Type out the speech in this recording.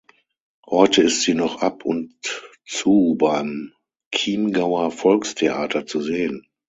Heute ist sie noch ab und zu beim "Chiemgauer Volkstheater" zu sehen.